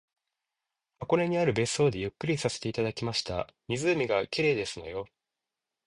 箱根にある別荘でゆっくりさせていただきました。湖が綺麗ですのよ